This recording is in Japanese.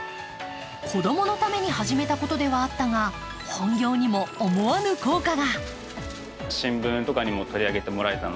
子供のために始めたことではあったが、本業にも思わぬ効果が。